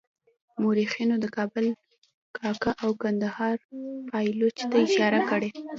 مورخینو د کابل کاکه او کندهار پایلوچ ته اشاره کړې.